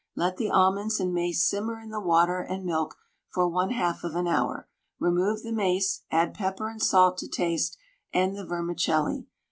Let the almonds and mace simmer in the water and milk for 1/2 of an hour, remove the mace, add pepper and salt to taste, and the vermicelli.